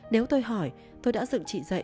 nếu tôi hỏi tôi đã dựng chị dậy